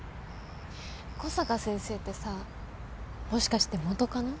小坂先生ってさもしかして元カノ？